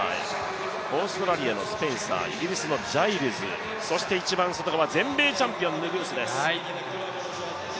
オーストラリアのスペンサー、イギリスのジャイルズ、そして一番外側、全米チャンピオンのヌグースです。